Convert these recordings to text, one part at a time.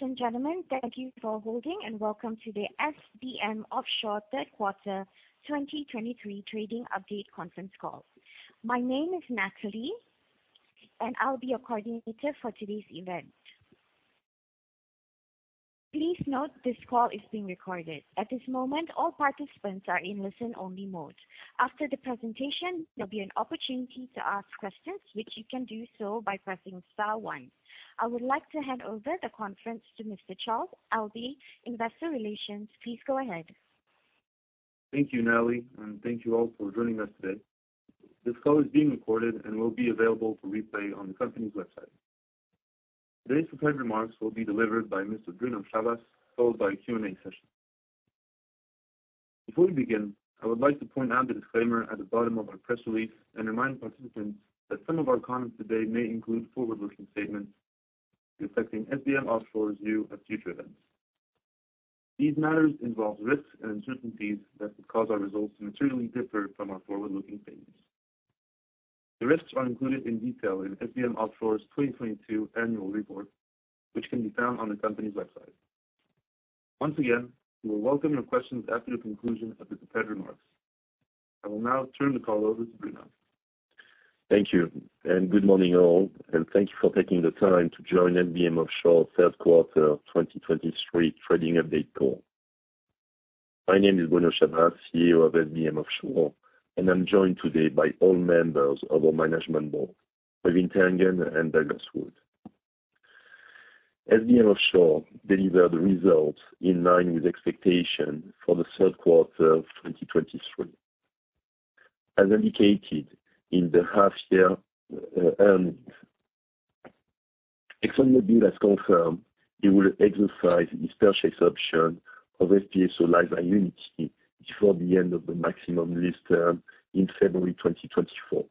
Ladies and gentlemen, thank you for holding and welcome to the SBM Offshore third quarter 2023 trading update conference call. My name is Natalie, and I'll be your coordinator for today's event. Please note, this call is being recorded. At this moment, all participants are in listen-only mode. After the presentation, there'll be an opportunity to ask questions, which you can do so by pressing star one. I would like to hand over the conference to Mr. Charles Alby-Défossé, Investor Relations. Please go ahead. Thank you, Natalie, and thank you all for joining us today. This call is being recorded and will be available for replay on the company's website. Today's prepared remarks will be delivered by Mr. Bruno Chabas, followed by a Q&A session. Before we begin, I would like to point out the disclaimer at the bottom of our press release and remind participants that some of our comments today may include forward-looking statements reflecting SBM Offshore's view of future events. These matters involve risks and uncertainties that could cause our results to materially differ from our forward-looking statements. The risks are included in detail in SBM Offshore's 2022 annual report, which can be found on the company's website. Once again, we will welcome your questions after the conclusion of the prepared remarks. I will now turn the call over to Bruno. Thank you, and good morning, all, and thank you for taking the time to join SBM Offshore third quarter 2023 trading update call. My name is Bruno Chabas, CEO of SBM Offshore, and I'm joined today by all members of our management board, Øivind Tangen and Douglas Wood. SBM Offshore delivered results in line with expectation for the third quarter of 2023. As indicated in the half year earnings, ExxonMobil has confirmed it will exercise its purchase option of FPSO Liza Unity before the end of the maximum lease term in February 2024.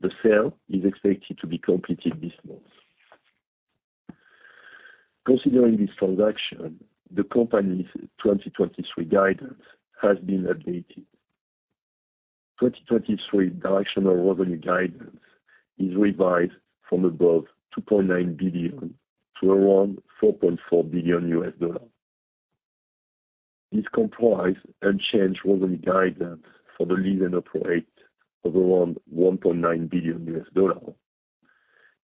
The sale is expected to be completed this month. Considering this transaction, the company's 2023 guidance has been updated. 2023 directional revenue guidance is revised from above $2.9 billion to around $4.4 billion. This comprises unchanged revenue guidance for the Lease and Operate of around $1.9 billion,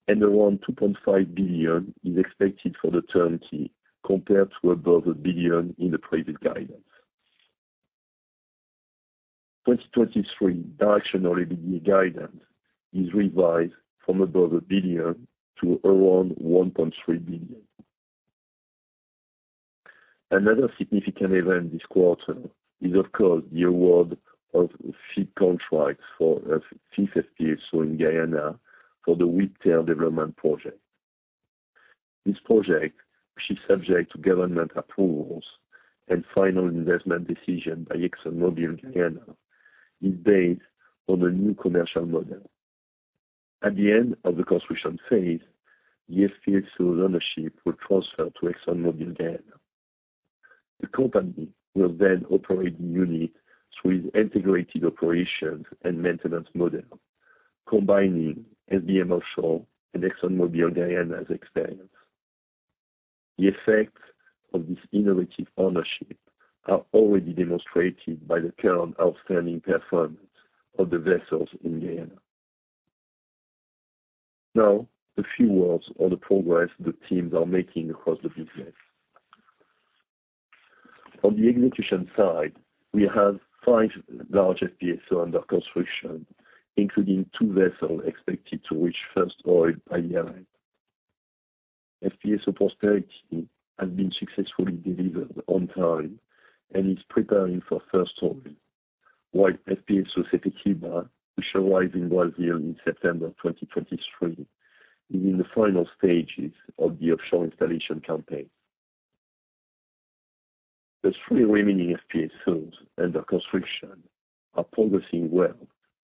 and around $2.5 billion is expected for the Turnkey, compared to above $1 billion in the previous guidance. 2023 directional EBITDA guidance is revised from above $1 billion to around $1.3 billion. Another significant event this quarter is, of course, the award of FEEDD contracts for FPSO in Guyana for the Whiptail development project. This project, which is subject to government approvals and final investment decision by ExxonMobil Guyana, is based on a new commercial model. At the end of the construction phase, the FPSO ownership will transfer to ExxonMobil Guyana. The company will then operate the unit through its integrated operations and maintenance model, combining SBM Offshore and ExxonMobil Guyana's experience. The effects of this innovative ownership are already demonstrated by the current outstanding performance of the vessels in Guyana. Now, a few words on the progress the teams are making across the business. On the execution side, we have five large FPSO under construction, including two vessels expected to reach first oil by year-end. FPSO Prosperity has been successfully delivered on time and is preparing for first oil, while FPSO Sepetiba, which arrived in Brazil in September 2023, is in the final stages of the offshore installation campaign. The three remaining FPSOs under construction are progressing well,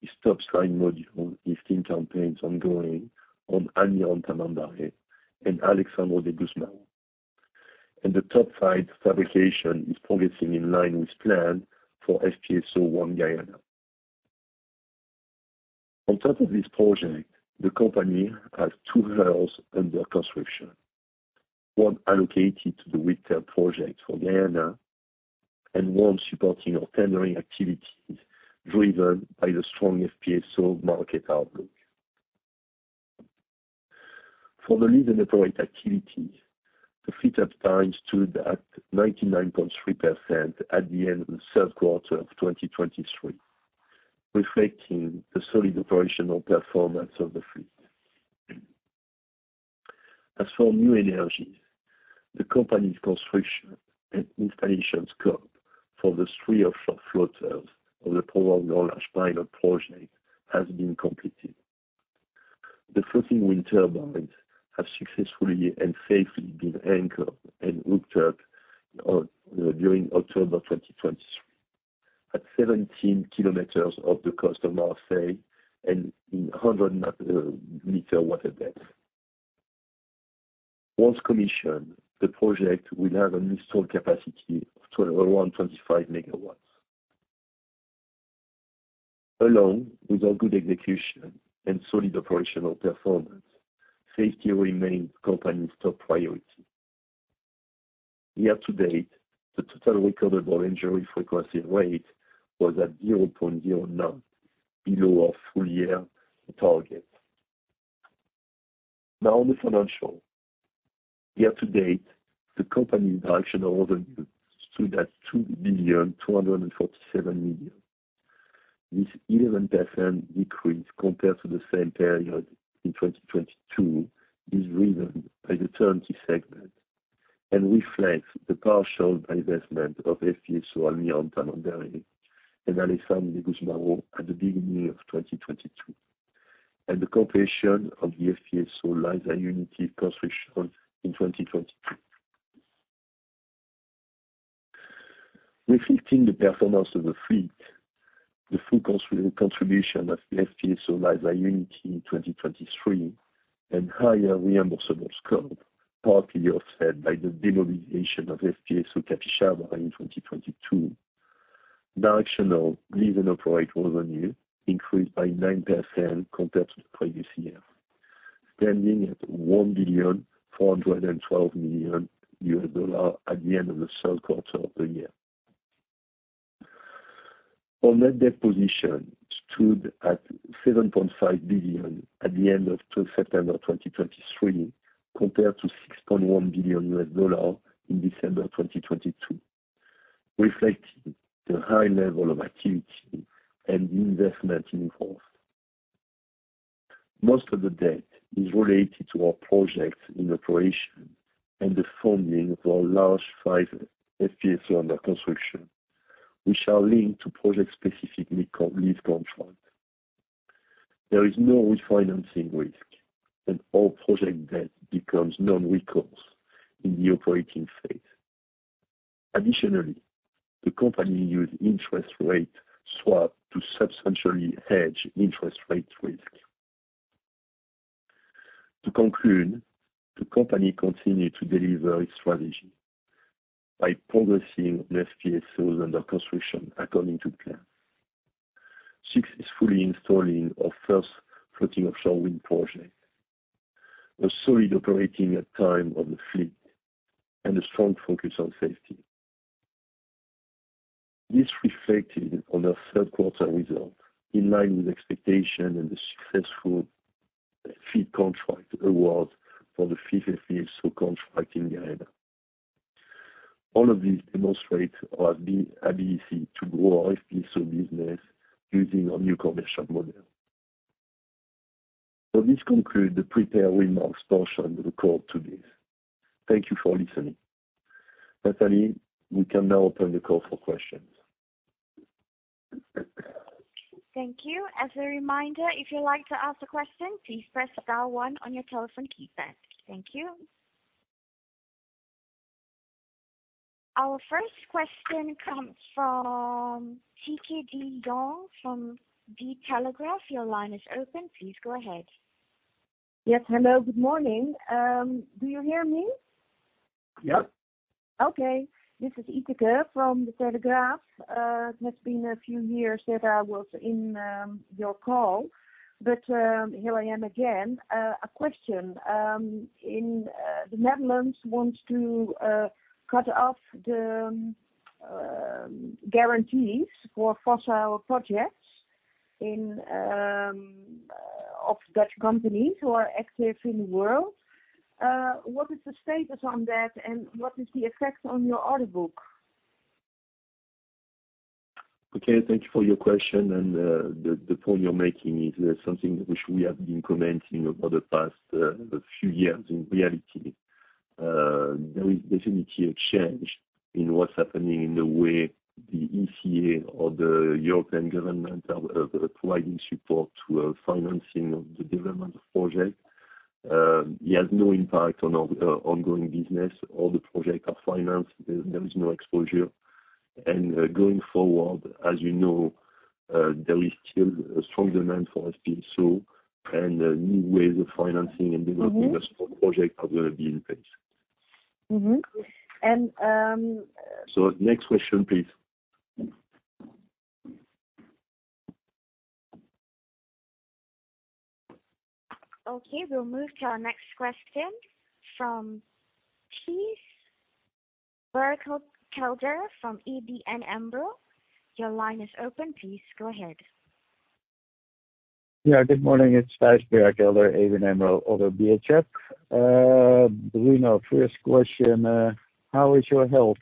with topside module lifting campaigns ongoing on Almirante Tamandaré and Alexandre de Gusmão. The topside fabrication is progressing in line with plan for FPSO ONE GUYANA. On top of this project, the company has two hulls under construction, one allocated to the Whiptail project for Guyana and one supporting our tendering activities, driven by the strong FPSO market outlook. For the Lease and Operate activity, the fleet utilization stood at 99.3% at the end of the third quarter of 2023, reflecting the solid operational performance of the fleet. As for new energies, the company's construction and installations scope for the three offshore floaters of the Provence Grand Large pilot project has been completed. The floating wind turbines have successfully and safely been anchored and hooked up during October 2023, at 17 km off the coast of Marseille and in 100-meter water depth. Once commissioned, the project will have an installed capacity of around 125 MW, along with our good execution and solid operational performance, safety remains the company's top priority. Year-to-date, the total recordable injury frequency rate was at 0.09, below our full year target. Now on the financial. Year-to-date, the company's directional revenue stood at $2,247 million. This 11% decrease compared to the same period in 2022 is driven by the turnkey segment and reflects the partial divestment of FPSO Almirante Tamandaré and Alexandre de Gusmão at the beginning of 2022, and the completion of the FPSO Liza Unity construction in 2022. Reflecting the performance of the fleet, the full contribution of FPSO Liza Unity in 2023 and higher reimbursables growth, partly offset by the demobilization of FPSO Capixaba in 2022. Directional lease and operate revenue increased by 9% compared to the previous year, standing at $1.412 billion at the end of the third quarter of the year. Our net debt position stood at $7.5 billion at the end of September 2023, compared to $6.1 billion in December 2022, reflecting the high level of activity and investment in growth. Most of the debt is related to our projects in operation and the funding for large five FPSO under construction, which are linked to project-specific lease contracts. There is no refinancing risk, and all project debt becomes non-recourse in the operating phase. Additionally, the company used interest rate swap to substantially hedge interest rate risk. To conclude, the company continued to deliver its strategy by progressing the FPSOs under construction according to plan, successfully installing our first floating offshore wind project, a solid operating uptime of the fleet, and a strong focus on safety. This reflected in our third quarter results, in line with expectations and the successful FEED contract awards for the fifth FPSO contract in Guyana. All of these demonstrate our ability to grow our FPSO business using our new commercial model. So this concludes the prepared remarks portion of the call today. Thank you for listening. Natalie, we can now open the call for questions. Thank you. As a reminder, if you'd like to ask a question, please press star one on your telephone keypad. Thank you. Our first question comes from Yteke de Jong from De Telegraaf. Your line is open. Please go ahead. Yes, hello, good morning. Do you hear me? Yep. Okay. This is Yteke from De Telegraaf. It has been a few years that I was in your call, but here I am again. A question. In the Netherlands wants to cut off the guarantees for fossil projects of Dutch companies who are active in the world. What is the status on that, and what is the effect on your order book? Okay, thank you for your question, and the point you're making is something which we have been commenting over the past few years. In reality, there is definitely a change in what's happening in the way the ECA or the European government are providing support to financing of the development project. It has no impact on our ongoing business. All the projects are financed. There is no exposure. And going forward, as you know, there is still a strong demand for FPSO and new ways of financing and developing- Mm-hmm. The project are gonna be in place. Mm-hmm. And, Next question, please. Okay, we'll move to our next question from Thijs Berkelder from ABN AMRO. Your line is open. Please go ahead. Yeah, good morning. It's Thijs Berkelder, ABN AMRO. Bruno, first question, how is your health?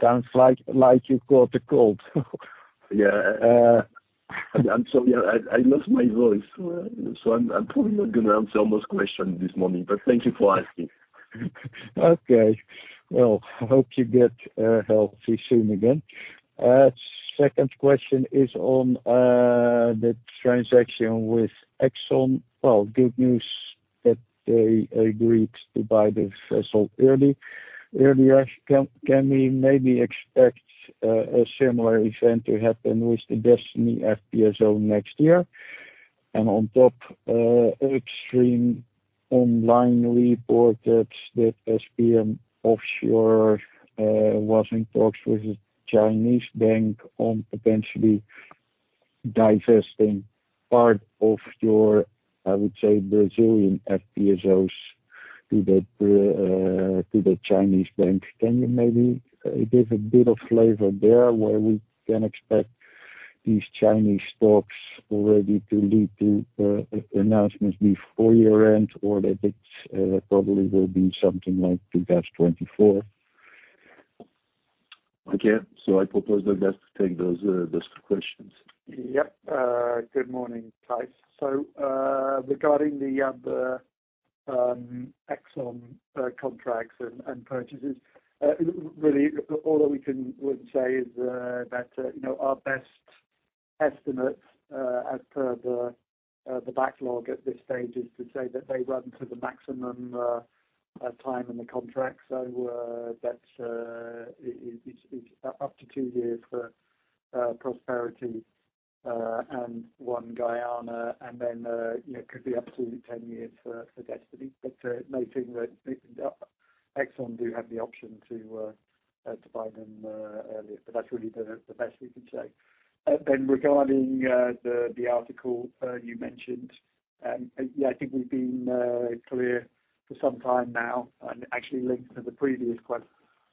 Sounds like you caught a cold. Yeah, I'm sorry, I lost my voice, so I'm probably not gonna answer any question this morning, but thank you for asking. Okay. Well, I hope you get healthy soon again. Second question is on the transaction with Exxon. Well, good news that they agreed to buy the vessel early, earlier. Can we maybe expect a similar event to happen with the Destiny FPSO next year? On top, an external online report that SBM Offshore was in talks with the chinese bank on potentially divesting part of your, I would say, Brazilian FPSOs to the chinese bank. Can you maybe give a bit of flavor there where we can expect these chinese talks already to lead to announcements before year-end, or that it probably will be something like 2024? Again, so I propose the best to take those questions. Yep. Good morning, guys. So, regarding the Exxon contracts and purchases, really, all that we can would say is that you know, our best estimates as per the backlog at this stage is to say that they run to the maximum time in the contract. So, that's up to two years for Prosperity and ONE GUYANA, and then you know, could be up to 10 years for Destiny. But noting that Exxon do have the option to buy them earlier, but that's really the best we can say. Then regarding the article you mentioned, yeah, I think we've been clear for some time now, and actually linked to the previous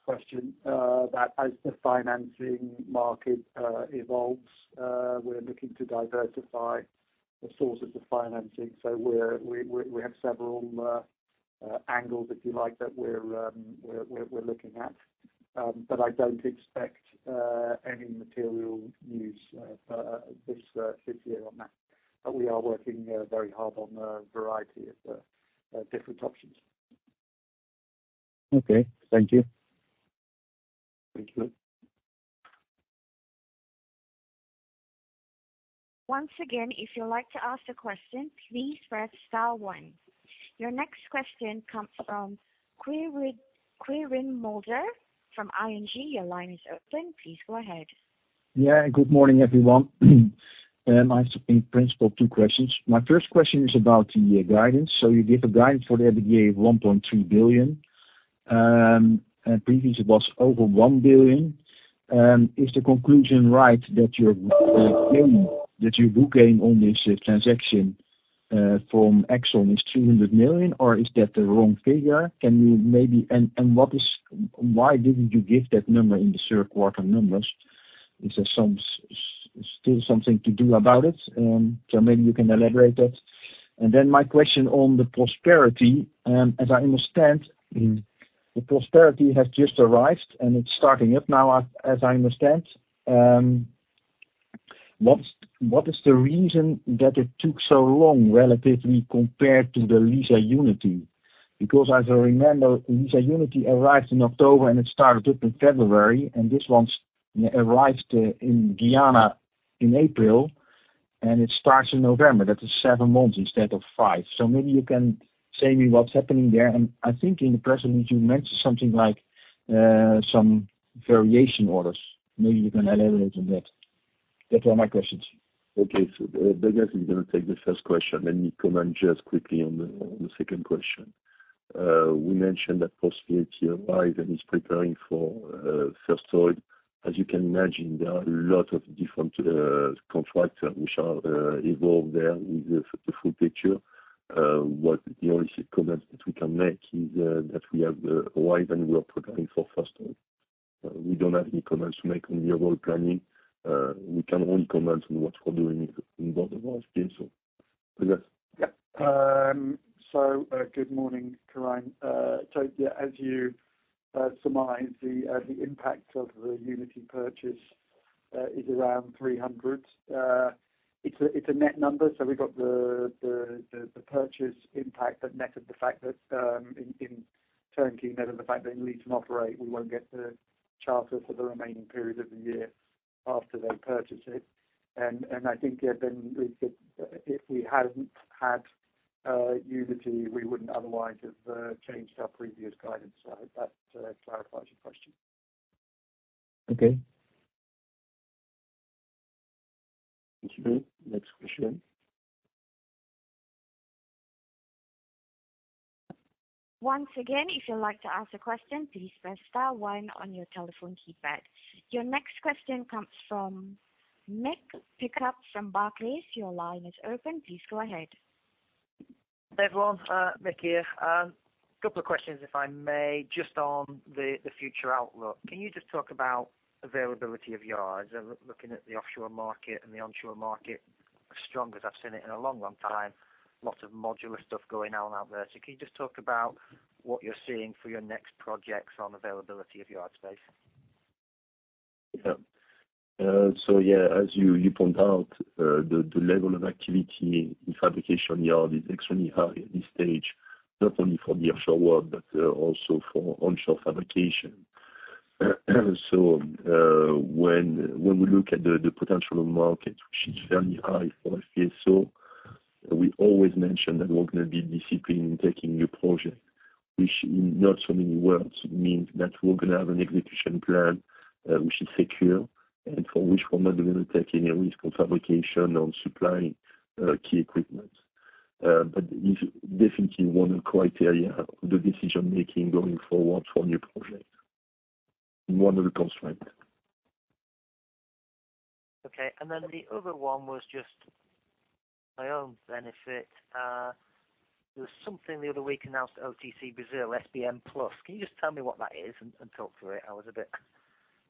question, that as the financing market evolves, we're looking to diversify the sources of financing. So we have several angles, if you like, that we're looking at, but I don't expect any material news this fifth year on that. But we are working very hard on a variety of different options. Okay, thank you. Thank you. Once again, if you'd like to ask a question, please press star one. Your next question comes from Quirijn Mulder from ING. Your line is open. Please go ahead. Yeah, good morning, everyone. I have in principle two questions. My first question is about the guidance, so you gave a guidance for the EBITDA of $1.3 billion, and previously it was over $1 billion. Is the conclusion right, that your booking on this transaction from Exxon is $200 million, or is that the wrong figure? Can you maybe, and why didn't you give that number in the third quarter numbers? Is there still something to do about it? So maybe you can elaborate that? And then my question on the Prosperity, as I understand, the Prosperity has just arrived, and it's starting up now, as I understand. What is the reason that it took so long, relatively compared to the Liza Unity? Because as I remember, Liza Unity arrived in October, and it started up in February, and this one's arrived in Guyana in April, and it starts in November. That is seven months instead of five. So maybe you can say me what's happening there? And I think in the presentation you mentioned something like, some variation orders. Maybe you can elaborate on that? That are my questions. Okay. So Douglas is going to take the first question, let me comment just quickly on the second question. We mentioned that Prosperity arrived and is preparing for first oil. As you can imagine, there are a lot of different contracts which are involved there with the full picture. What the only comment that we can make is that we have arrived, and we are preparing for first oil. We don't have any comments to make on your whole planning. We can only comment on what we're doing in that space. So, Douglas. Yeah. So, good morning, Quirijn. So yeah, as you surmise, the impact of the Unity purchase is around $300. It's a net number, so we've got the purchase impact that netted the fact that in turnkey, netted the fact that in lease to operate, we won't get the charter for the remaining period of the year after they purchase it. And I think that then if we hadn't had Unity, we wouldn't otherwise have changed our previous guidance. So I hope that clarifies your question. Okay. Thank you. Next question. Once again, if you'd like to ask a question, please press star one on your telephone keypad. Your next question comes from Mick Pickup from Barclays. Your line is open. Please go ahead. Hey, everyone, Mick here. A couple of questions, if I may, just on the future outlook. Can you just talk about availability of yards? I'm looking at the offshore market and the onshore market, as strong as I've seen it in a long, long time. Lots of modular stuff going on out there. So can you just talk about what you're seeing for your next projects on availability of yard space? Yeah. So yeah, as you point out, the level of activity in fabrication yard is extremely high at this stage, not only for the offshore world, but also for onshore fabrication. So, when we look at the potential market, which is very high for FPSO, we always mention that we're going to be disciplined in taking new projects... which, in not so many words, means that we're gonna have an execution plan which is secure, and for which we're not going to take any risk on fabrication, on supplying key equipment. But it's definitely one criteria, the decision-making going forward for a new project. One of the constraint. Okay, and then the other one was just my own benefit. There was something the other week announced at OTC Brazil, SBM+. Can you just tell me what that is and talk through it? I was a bit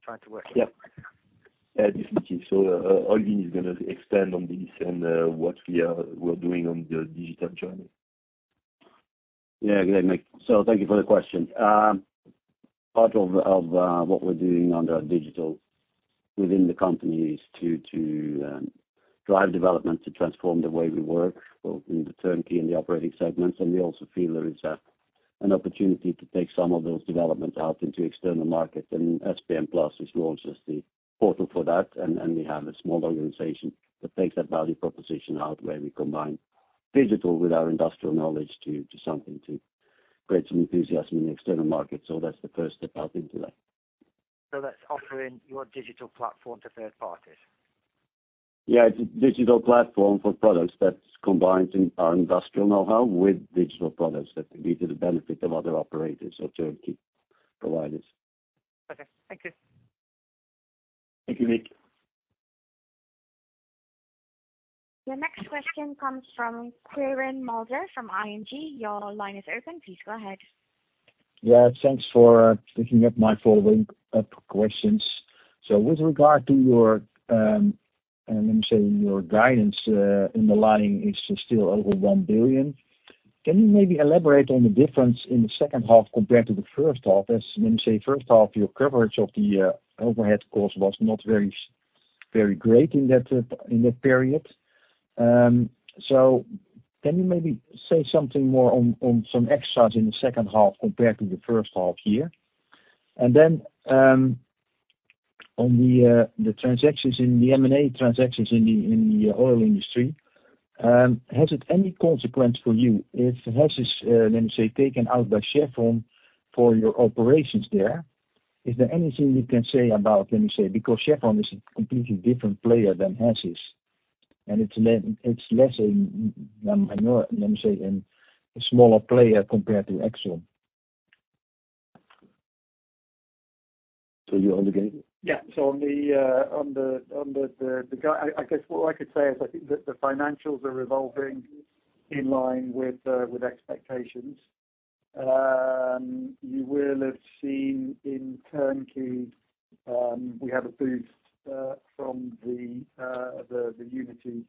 trying to work it out. Yeah. Yeah, definitely. So, Øivind is gonna expand on this and what we are, we're doing on the digital journey. Yeah, good, Mick. So thank you for the question. Part of what we're doing under our digital within the company is to drive development, to transform the way we work, both in the turnkey and the operating segments. And we also feel there is an opportunity to take some of those developments out into external markets, and SBM Plus has launched as the portal for that. And we have a small organization that takes that value proposition out, where we combine digital with our industrial knowledge to something, to create some enthusiasm in the external market. So that's the first step out into that. So that's offering your digital platform to third parties? Yeah, it's a digital platform for products that combines our industrial know-how with digital products to the benefit of other operators or Turnkey providers. Okay, thank you. Thank you, Mick. Your next question comes from Quirijn Mulder from ING. Your line is open. Please go ahead. Yeah, thanks for picking up my following up questions. So with regard to your, let me say, your guidance, in the line is still over $1 billion. Can you maybe elaborate on the difference in the second half compared to the first half? As, let me say, first half, your coverage of the overhead cost was not very, very great in that period. So can you maybe say something more on some extras in the second half compared to the first half year? And then, on the M&A transactions in the oil industry, has it any consequence for you if Hess is, let me say, taken out by Chevron for your operations there? Is there anything you can say about, let me say, because Chevron is a completely different player than Hess is, and it's, let me say, a smaller player compared to Exxon? So you're on the guide? Yeah. So on the, I guess, what I could say is, I think that the financials are revolving in line with expectations. You will have seen in turnkey, we have a boost from the Unity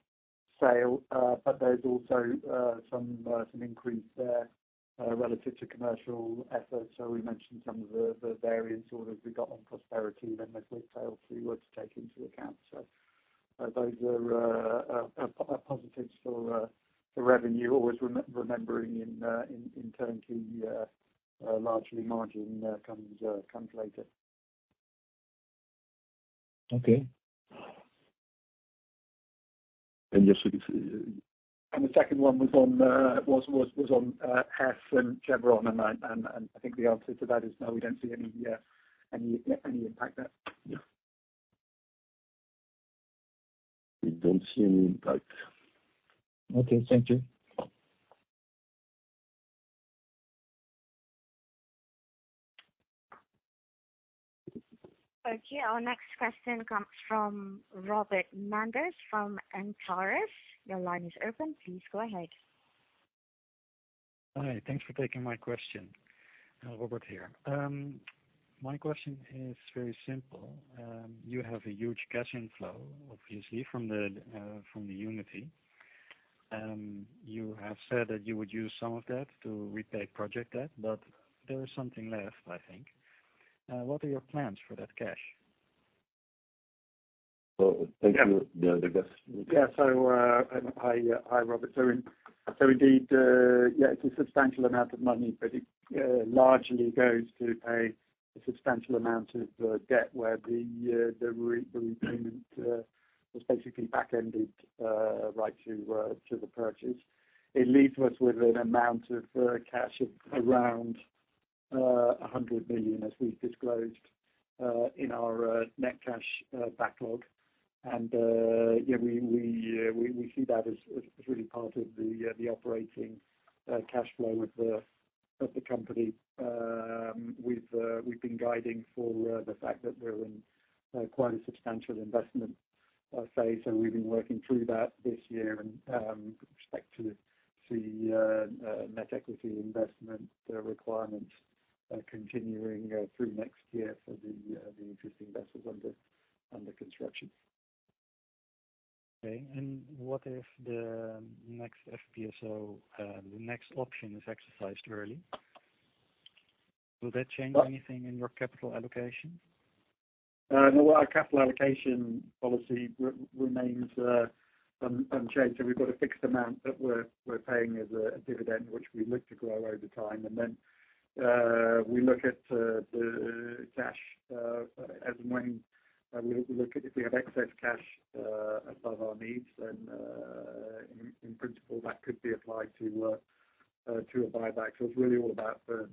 sale, but there's also some increase there relative to commercial efforts. So we mentioned some of the variance or that we got on Prosperity, then the quick sale so you were to take into account. So, those are positives for the revenue, always remembering in Turnkey, largely margin comes later. Okay. And your second question? And the second one was on Hess and Chevron, and I think the answer to that is no, we don't see any impact there. Yeah. We don't see any impact. Okay, thank you. Okay, our next question comes from Robbert Manders from Antaurus. Your line is open. Please go ahead. Hi, thanks for taking my question. Robert here. My question is very simple. You have a huge cash inflow, obviously, from the Unity. You have said that you would use some of that to repay project debt, but there is something left, I think. What are your plans for that cash? Thank you, Robert. Yeah, so, hi, hi, Robert. So, so indeed, yeah, it's a substantial amount of money, but it largely goes to pay a substantial amount of debt, where the repayment was basically back-ended right to the purchase. It leaves us with an amount of cash of around $100 million, as we've disclosed in our net cash backlog. And yeah, we see that as really part of the operating cash flow of the company. We've been guiding for the fact that we're in quite a substantial investment phase, and we've been working through that this year. With respect to the net equity investment requirements continuing through next year for the interesting vessels under construction. Okay, and what if the next FPSO, the next option is exercised early? Will that change anything in your capital allocation? No, our capital allocation policy remains unchanged. So we've got a fixed amount that we're paying as a dividend, which we look to grow over time. And then we look at the cash as and when we look at if we have excess cash above our needs, then, in principle, that could be applied to a buyback. So it's really all about the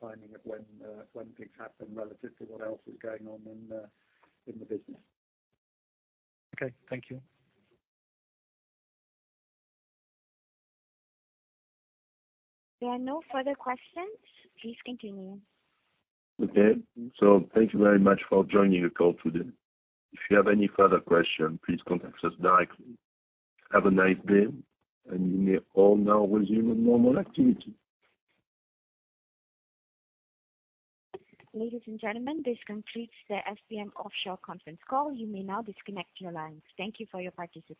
timing of when things happen relative to what else is going on in the business. Okay, thank you. There are no further questions. Please continue. Okay. Thank you very much for joining the call today. If you have any further question, please contact us directly. Have a nice day, and you may all now resume your normal activity. Ladies and gentlemen, this completes the SBM Offshore conference call. You may now disconnect your lines. Thank you for your participation.